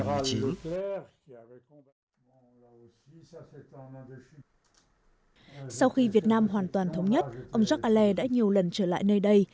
sau khi việt nam hoàn toàn thống nhất ông jacques allais đã nhiều lần trở lại nơi đây